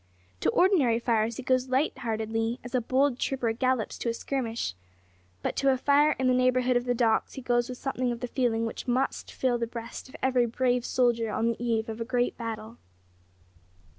To ordinary fires he goes light heartedly as a bold trooper gallops to a skirmish, but to a fire in the neighbourhood of the docks he goes with something of the feeling which must fill the breast of every brave soldier on the eve of a great battle.